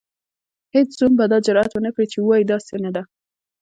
هیڅ زوم به دا جرئت ونکړي چې ووايي داسې نه ده.